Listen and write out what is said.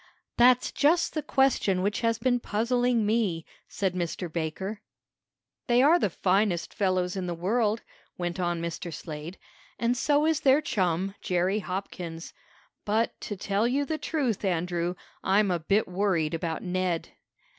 "That's just the question which has been puzzling me," said Mr. Baker. "They are the finest fellows in the world," went on Mr. Slade, "and so is their chum, Jerry Hopkins. But, to tell you the truth, Andrew, I'm a bit worried about Ned."